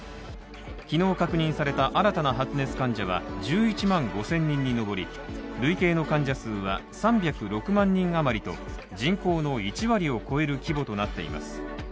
昨日確認された新たな発熱患者は１１万５０００人に上り、累計の患者数は３０６万人余りと、人口の１割を超える規模となっています。